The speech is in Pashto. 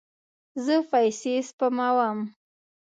زه پیسې سپموم